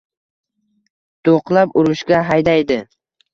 Do‘qlab urushga haydaydi